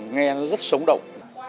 nghe nó rất sống động